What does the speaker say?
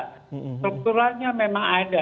strukturannya memang ada